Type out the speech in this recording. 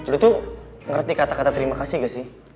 lu tuh ngerti kata kata terima kasih gak sih